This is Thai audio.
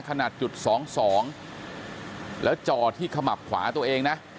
ขนาดจุดสองสองแล้วจ่อที่ขมับขวาตัวเองนะ